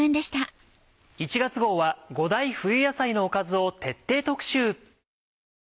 １月号は５大冬野菜のおかずを徹底特集。